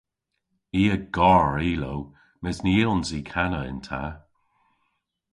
I a gar ilow mes ny yllons i kana yn ta.